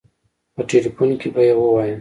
په ټيليفون کې به يې ووايم.